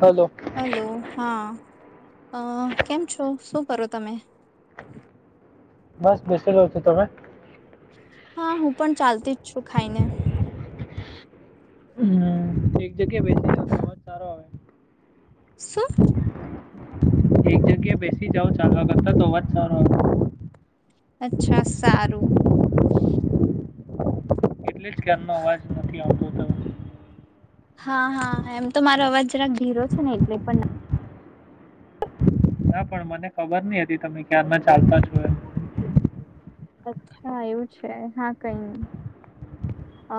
Hello hello હા અ કેમ છો, શું કરો તમે બસ બેસીી જ છો, તમે હા હું પણ ચાલતી જ છુ, ખાઈ ને હા એક જગ્યા બેઠ શું એક જગ્યા બેસી જાાવ ચાલવા કરતા તોવા જ સારો આવ અચ્છા સારુ એટલે જ ધ્યાન ન અવાજ નથી આવતો હતો. હા હા એમ તો મારો અવાજ જરાક ઘીરો છે ને એટલે પણ ના પણ મને ખબર નહ હતી. તમે ક્યારના ચાલતા છો એમ અચ્છા એવું છે, હા કઈ નહી અ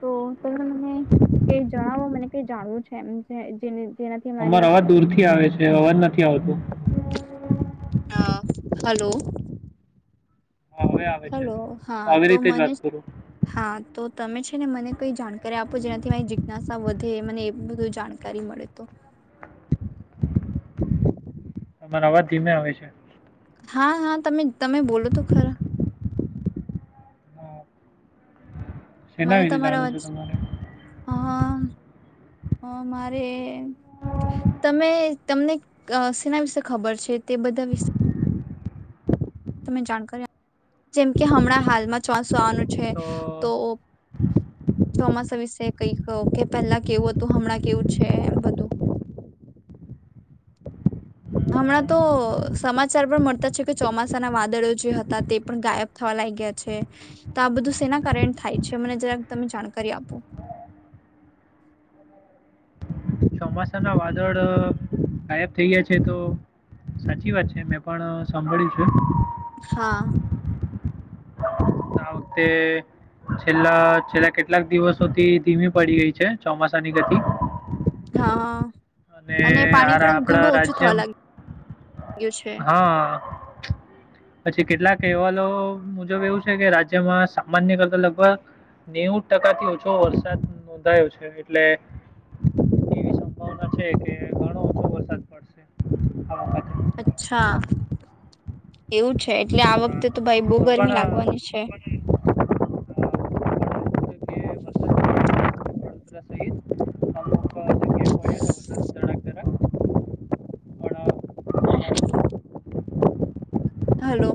તો તમે મને કઈ જણાવો મને કઈ જાણવું છે એમ જેને જેનાથી મારી તમારો અવાજ દૂરથી આવે છે અવાજ નથી આવતો હ હલો હા હવે આવે છે, હલો હા તો આવી તો રીતે જ વાત મને કરુ હા તો તમે છેને, મને કઈ જાણકારી આપો જેનાથી મારી જિજ્ઞાસા વધે મને બધું જાણકારી મળે તો તમામારે અવાજ ધીમે આવે છે. હા હા તમે તમે બોલો તો ખરા હા શેના મને વિશે તમારા જાણવું છે તમારે હ મારે તમે તમને સેના વિશે ખબર છે તે બધા વિશે તમે જાણકાર જેમકે હમણાં હાલમાં ચોસો આનું છે. તો હ ચોમાસા વિશે કઈ કહો કે પેલા કેવું હતું હમણાં કેવું છે, એમ બધુ હમણાં તો અમ, સમાચાર પણ મળતા છે, કે ચોમાસાના વાદળો જે હતા તે પણ ગાયબ થવા લાગ ગયા છે, તો આ બધું સેના કારન્ટ થાય છે મને જરાક તમે જાણકારી આપો ચોમાસા ના વાદળ ગાયબ થઈ ગયા છે, તો સાચી વાત છે મેં પણ સાંભળ્યું છે. હા તે છેલ્લા છેલ્લા, કેટલાક દિવસોથી ધીમી પડી ગઈ છે ચોમાસાની ગતિ હા અને પાણી આ પણ ઘણું આપણા ઓછું થવા રાજ્યમ લાગ્યું છે હા પછી કેટલાક અહેવાલો મુજબ એવું છે, કે રાજ્યમાં સામાન્ય કરતા લગભગ નેવું ટકા થી ઓછો વરસાદ નોંધાયો છે, એટલે અચ્ આ વખતે હા. અચ્છા એવું છે એટલે આ વખતે તો ભાઈ બહુ ગરમી લાગવાની છે. અ, વડોદરા સ જરાક જરાક હ હલો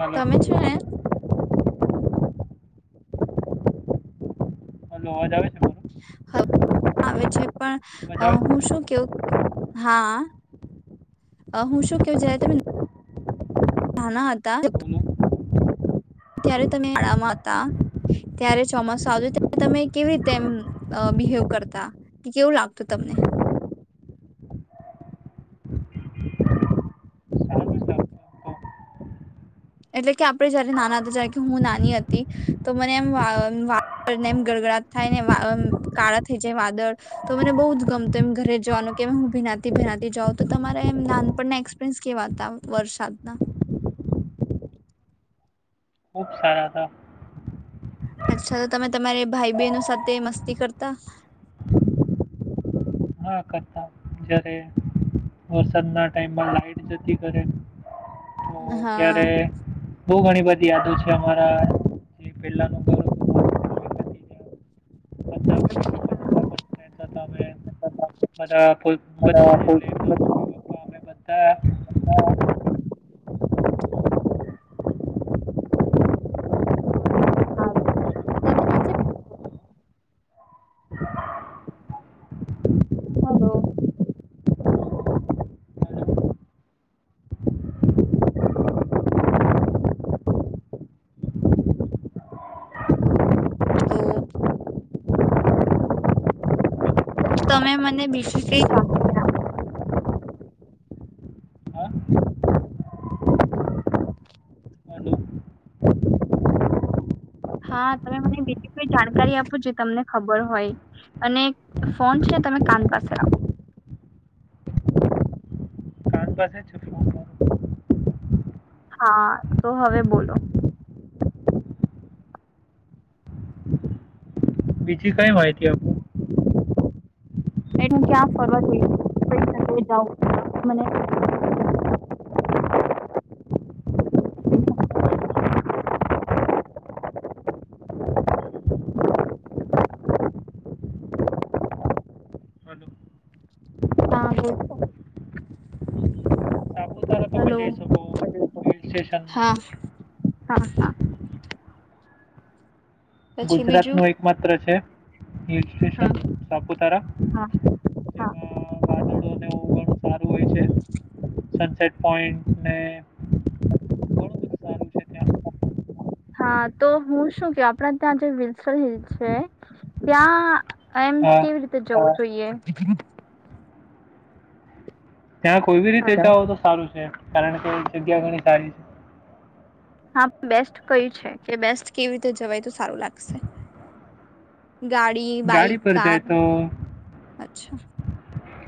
પણ હલો તમે છો ને હલો અવાજ આવે છે. મારો હ આવે છે, અવાજ પણ આવે હું શું કેવ હા હુ, શું કેવુ જ્યારે તમે ન નાના હતા. છે બોલો ત્યારે તમે શાડામાં હતા. ત્યારે ચોમાસું આવ્યુ. ત્યારે તમે કેવી રીતે એમ બિહેવ કરતા કે કેવું લાગતું તમને સારું છે આમ તો એટલે કે આપડે જયારે નાના હતા જય્યારે કે હું નાની હતી. તો મને એમ વાદળને એમ ગડગડાટ થાય ને કાળા થઈ જાય વાદળ તો મને બહુ જ ગમતું એમ ઘરે જવાનું કે હુ, ભીનાતી- ભીનાતી જાઉં તો તમારે એમ નાનપણને પ્રન્સ કેવાતા વર્ષતના ખુબ સારા હતા. અચ્છા. તો તમે તમારી ભાઈ- બહેનો સાથે મસ્તી કરતા હા કરતા જયારે વરસાદ ના ટાઈમમાં લાઈટ જતી કરે હા ત્યારે બો ઘણી બધી યાદો છે. અમારા જે પેલાના ત્યાં બધા માં જેટલા પણ હતા અમે બધા [inaudible] ફૂલ બધા એટલે એમના મમ્મી પપ્પા અમે બધા [unintelligible] હલો તો તમે મને બીજી કઈ આપો તમને ખબર હા હલો હા તમે મને બીજી કોઈ જાણકારી આપો, જે તમને ખબર હોય. અને ફોન છેને તમે કાન પાસે રાખો કાન પાસે જ છે ફોન તો હા. તો હવે બોલો બીજી કઈ માહિતી આપુ એ ક્યાં ફોરવડઈ મને [unintelligible] હલો હા બોલત હલો હિલસ્ટેશન હા હા હા પછી ગુજરાત બીજું માં એક માત્ર છે. હા સ્ટેશન સપુતારા. હા હા જેમા વાદળો ને એવું ઘણુ સારુ હોય છે. સનસેટ પોઈન્ટ ને ઘણું બધું સારું છે ત્યાં હા તો હું શું કેવ આપડા ત્યાં જે વિલસન હિલ છે. ત્યાં એમ હા કેવી રીતે જવું જોઈએ. ત્યાં કોઈ બી રીતે હલો. જાવ તો સારું છે, કારણ કે જગ્યા ઘણી સારી છે. હા બેસ્ટ કયુ છે, કે બેસ્ટ કેવી રીતે જવાય તો સારું લાગશે ગાડી, ગાડી બાઈક, પર જાય કાર તો અચ્છા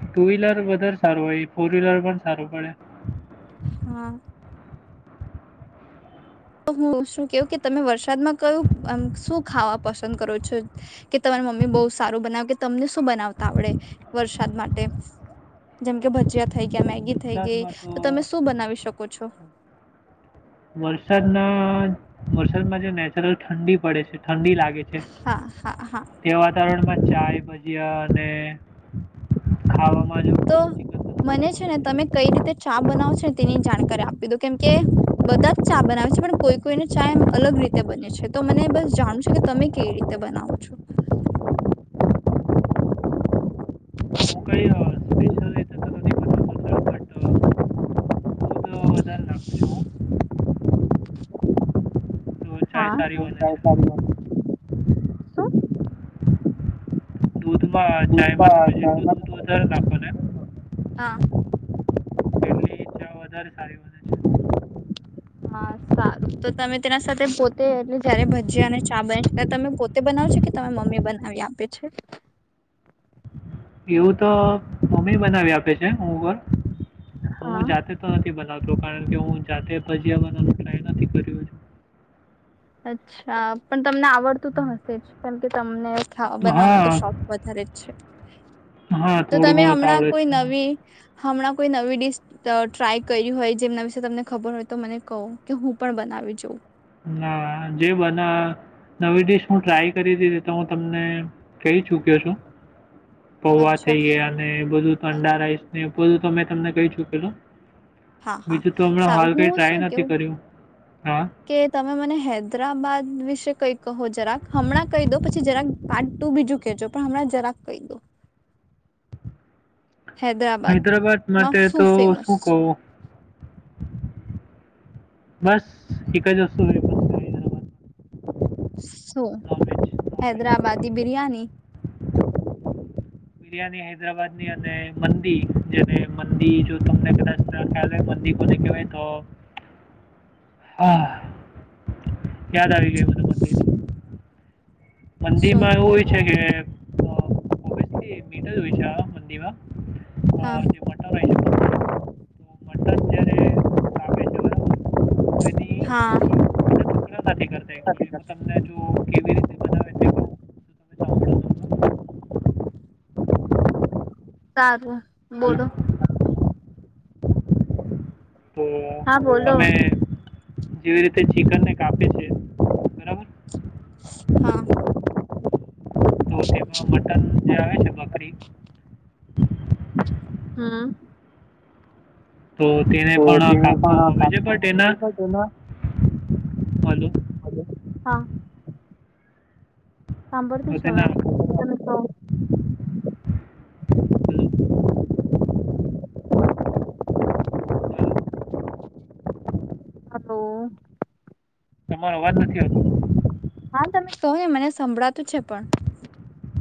ટુ વ્હીલર વધારે સારુ હોય, ફોર વ્હીલર પણ સારુ પડે હા તો હું શું કેવ કે તમે વરસાદમાં કયુંમ શું ખાવા પસંદ કરો છો. કે તમારી મમ્મી બહુ સારું બનાવે કે તમને શું બનાવતા આવડે વરસાદ માટે જેમ કે ભજીયા થઈ ગયા મેગી થઈ ગઈ, તો તમે શું બનાવી શકો છો. વરસાદના વરસાદમાં જે નેચરલ ઠંડી પડે છે, ઠંડી લાગે છે. હા હા હા તેવા વાતાવરણમાં ચાય, ભજીયા અને ખાવામાં જો તો ચિકન મને છે બનાવવામાં ને આવે તમે કઈ રીતે ચા બનાવો છો ને તેની જાણકારી આપી દો કેમ કે બધા જ ચા બનાવે છે પણ કોઈ કોઈને ચા એમ અલગ રીતે બને છે તો મને બસ જાણવ છે, કે તમે કેવી રીતે તે બનાવો છો. હું કઈ સ્પેશિયલ રીતે તો નથી બનાવતો સર બટ દૂધ વધારે નાખું છું તો ચાય હા સારી બને છે શું બ પપા નાખો ને હા એટલી ચા વધારે સારી વધે છે. હા સારું તો તમે તેના સાથે પોતે એટલે જયારે ભજી અને ચા બની્યારે તમે પોતે બનાવશ કે તમામે મમ્મી બનાવી આપે છે. એવું તો મમ્મી બનાવી આપે છે, હ ઉપર હુ હા જાતે નથી બનાવતો કારણ કે હું જાતે ભજીયા બનાવ ટ્રાય નથી કર્યો અચ્છા પણ તમને આવડતું તો હશે જ કેમકે તમને ખાવા બનાવવામાં તો શોખ હા વધારે જ છે હા તો થોડું તમે ઘણું તો હમણાં આવડે જ કોઈ નવી છે હમણાં કોઈ નવી ડીશ ટ્રાય કર્યું હોય જેમના વિશે તમને ખબર હોય તો મને કહો કે હું પણ બનાવી જાઉ હા જે બધ નવી ડીશ હું ટ્રાય કરી દીધી તો હુ તમને કહી ચૂક્યો છ. પૌવા અચ્છા થઈએ અને બધું અંડા રાઈસ બધું તો મેં તમને કહી ચુકલુ હા હા બીજું તો હમણાં સારું હાલ કઈ હું ટ્રાય શું નથી કેવું કર્યું હા કે તમે મને હૈદરાબાદ વિશે કઈ કહો જરાક હમણાં કહી દો પછી જરાક તું બીજું કેજો પણ હમણાં જરાક કહી દઉ હૈદરાબાદ માટે તો ફેમસ શું કવુ છે? બસ એક જ વસ્તુ છે Hyderabad so non veg non veg Hyderabadi non veg. Biryani biryani હ હૈદરાબાદ ની અને મંદી જેને મંદી જો તમને કદાચ ક મંદી કોને કહેવાય તો હા યાદ આવી ગય. મંદીર શું માં એવું હોય છે કે લી મીટ જ હોય છે, મંદીમા હા મ કાપે છે બરાબર તો એની હા એના નથી કરતા હું તમને જો કેવી રીતે બનાવે તે કહું તો તમે સાંભળો છો. સારું બોલો તો હા બોલો તમે જેવી રીતે ચિકન ને કાપે છે. બરાબર હા મટર જે આવે છે બકરી હમ્મ તો તેને તો પણ તેને પણ કાપવામાં આવે ખા છે બટ એના હલો હા સાંભળથી તો છો હ તેના હલો તમે છ. હલો હ હલો તમારો અવાજ નથી આવતો હા તમે તોહ ને મને સંભળાતુ છે, પણ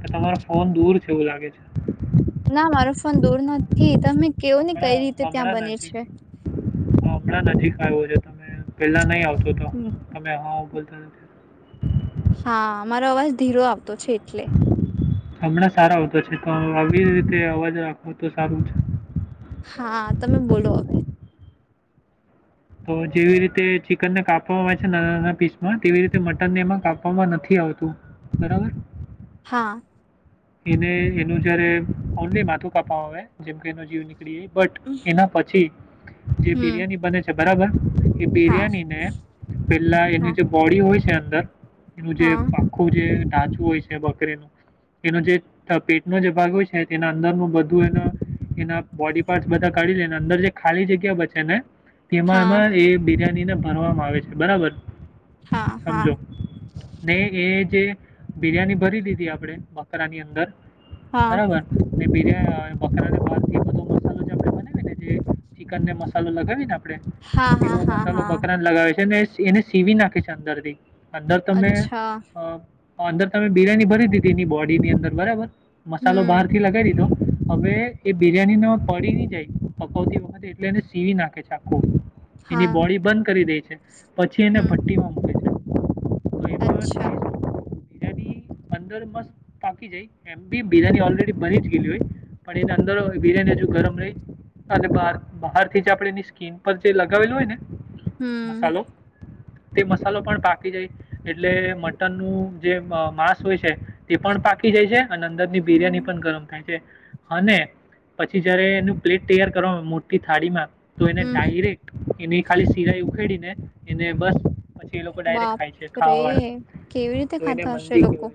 કે તમારો ફોન દૂર છે એવું લાગે છે. ના મારો ફોન દૂર નથી તમે કેવો ને કઈ હમણાં રીતે ત્યાં હમણાં બને નજીક છે. હમણાં નજીક આવ્યો છે, તમે પેલા નહી આવતો હતો તમે હા બોલતા નથી હા મારો અવાજ ધીરો આવતો છે, એટલે હમણાં સારા આવતો છે તો આવી રીતે અવાજ રાખવો તો સારું છે. હા તમે બોલો હવે તો જેવી રીતે ચિકનને કાપવામાં આવે છે નાના નાના પીસમાં તેવી રીતે મટન ને એમાં કાપવામાં નથી આવતુ બરોબર હા એને એનું જયારે ઓનલી માથું કાપવા આવે જેમકે એનો જીવ બ એના પછી જે હમ બિરિયાની બને છે, બરાબર એ હા બિરિયાની ને પેલા હા એની જે બોડી હોય છે, અંદર એનુ જે હા આખું જે ટઢાંચું હોય છે, બકરેનુ એનો જે પેટનો જે ભાગ હોય છે તેના અંદરનું બધું એના એના બોડી પાર્ટ બધા કાઢી લે ને અંદર જે ખાલી જગ્યા બ છેને. તેમાં હા એમાં એ બિરયાનીને ભરવામાં આવે છે બરાબર હા હા સમજો ને એ જે બિરયાની ભરી લીધી આપણેે મકરા ની અંદર હા બરાબર બિર હમ ચિકનને મસાલો લગાવી ને આપડે હા હા તેવો હા મસાલો હા બકરાને લગાવે છેને, એ સીવી નાખે છે અંદરથી અંદર તમે અચ્છા અ અંદર તમે બિરયાની ભરી દીધી એની બોડી ની અંદર બરાબર મસાલો બહાર હમ થી લગાવી દીધો હવે એ બિરયાની ના પડી ન જાય પકવતી વખાતી એટલે એને સીવી નાખે છે, આખુ એની હા બોડી બંધ કરી દે છે પછી એને હમ ભટ્ટી અચ્છા શું બીજાની અંદર મસ્ત પાકી જાય એમ બી બિરયાની ઓલરેડી બની જ ગયલી હોય પણ એના અંદર બિરિયાની હજુ ગરમ રહી અને બાર બહાર થી જ આપડ એની સ્કીન પર જે લગાવેલું હોય ને હમ મસાલો તે મસાલો પણ પાકી જાય એટલે મટન નું જે માંસ હોય છે. તે પણ પાકી જાય છે અને અંદર ની બિરિયાની પણ ગરમ અને પછી જયારે એનું પ્લેટ તૈયાર કરવાનું મોટી થાળી મા તો એને હમ ડાયરેક્ટ એની ખાલી સિરાઈ ઉખેડીને એને બસ પછી એ લોકો ડાયરેક્ટ ખાય છે બાપરે ખાવાળ કેવી રીતે તો એને ખાતા હશે મંદી લોકો કેય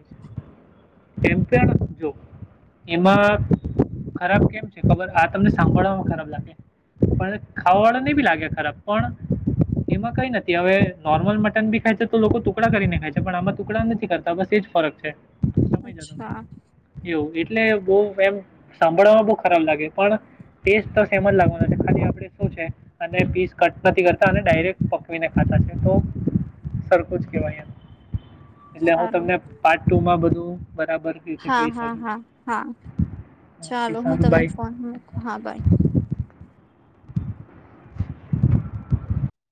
કેમથીડજ એમાં ખરાબ કેમ છે, ખબર આ તમને સાંભળવામાં ખરાબ લાગે પણ ખાવાવાળો નહી બી લાગે ખરાબ પણ એમાં કઈ નથી હવે નોર્મલ મટન બી ખાય છે તો લોકો ટુકડા કરીને ખાય છે પણ આમાં ટુકડા નથી કરતા બસ એ જ ફરક છે. સમય જ અચ્છા એવું એટલે બહ એમ સાંભળવામાં બહ ખરાબ લાગે પણ ટેસ્ટ તો સેમ જ લાગવાનો છે ખાલી આપડે શું છે. અને પીસ કટ નથી કરતા અને ડાયરેક્ટ પકવીને ખાતા છે, તો સરખું જ કેવાય એટલે હું સારું તમને પાર્ટ ટુમાં બધું બરાબર રીતે હા કહી હા શકું હા હા ઓકે ચાલો હુ, સારું તમને બાય ફોન મૂકું હા ભાઈ